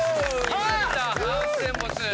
来ましたハウステンボス。